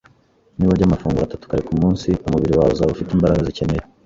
Niba urya amafunguro atatu kare kumunsi, umubiri wawe uzaba ufite imbaraga zikeneye.